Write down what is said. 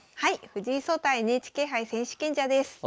藤井聡太ＮＨＫ杯選手権者です。